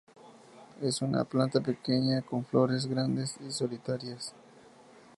Es una planta pequeña con flores grandes y solitarias.